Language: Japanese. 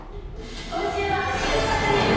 今週は収穫ウィーク。